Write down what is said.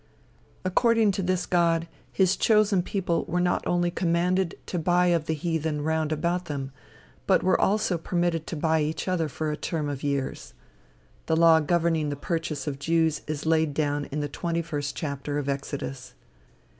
According to this God, his chosen people were not only commanded to buy of the heathen round about them, but were also permitted to buy each other for a term of years. The law governing the purchase of Jews is laid down in the twenty first chapter of Exodus.